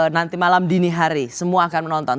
nanti malam dini hari semua akan menonton